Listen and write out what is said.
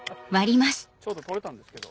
ちょうど取れたんですけど。